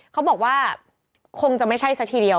เขาบอกว่าคงจะไม่ใช่ซะทีเดียว